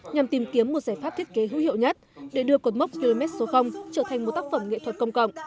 nhằm tìm kiếm một giải pháp thiết kế hữu hiệu nhất để đưa cột mốc km số trở thành một tác phẩm nghệ thuật công cộng